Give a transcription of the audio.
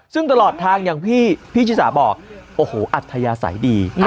ซึ่งตลอดทางอย่างที่พี่ชิสาบอกโอ้โหอัธยาศัยดี